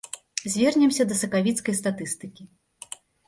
Звернемся да сакавіцкай статыстыкі.